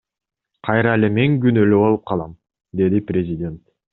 Кайра эле мен күнөөлүү болуп калам, — деди президент.